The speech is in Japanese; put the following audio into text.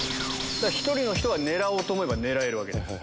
１人の人は狙おうと思えば狙えるわけです。